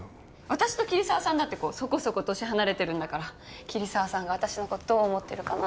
私と桐沢さんだってこうそこそこ年離れてるんだから桐沢さんが私の事どう思ってるかなんて。